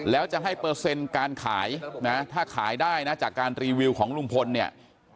แล้วจะให้เปอร์เซ็นต์การขายนะถ้าขายได้นะจากการรีวิวของลุงพลเนี่ย